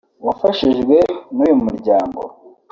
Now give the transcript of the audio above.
wafashijwe n’uyu muryango